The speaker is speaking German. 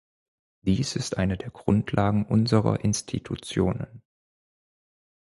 Dies ist eine der Grundlagen unserer Institutionen.